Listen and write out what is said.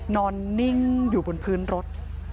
นอนนิ่งอยู่บนพื้นรถ